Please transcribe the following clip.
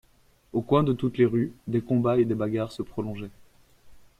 Aux coins de toutes les rues, des combats et des bagarres se prolongeaient.